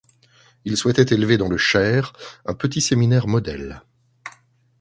Il souhaitait élever dans le Cher un petit séminaire modèle.